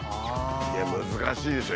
いや難しいでしょ。